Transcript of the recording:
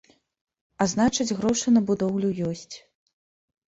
А значыць, грошы на будоўлю ёсць.